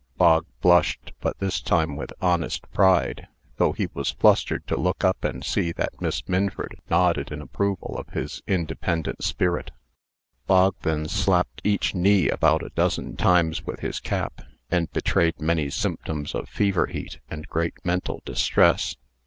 Bog blushed, but this time with honest pride, though he was flustered to look up and see that Miss Minford nodded in approval of his independent spirit. Bog then slapped each knee about a dozen times with his cap, and betrayed many symptoms of fever heat and great mental distress.